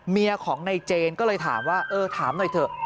เมียของในเจนก็เลยถามว่าเออถามหน่อยเถอะ